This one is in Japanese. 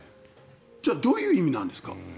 じゃあどういう意味なんですか？